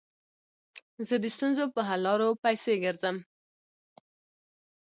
زه د ستونزو په حل لارو پيسي ګرځم.